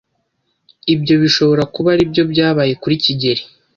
Ibyo bishobora kuba aribyo byabaye kuri kigeli.